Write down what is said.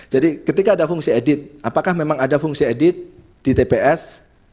ketika ada fungsi edit apakah memang ada fungsi edit di tps